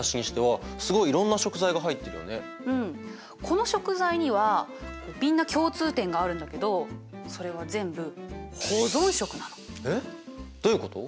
この食材にはみんな共通点があるんだけどそれは全部えっどういうこと？